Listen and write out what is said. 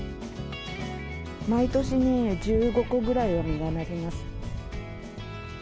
毎年ね１５個ぐらいは実がなります。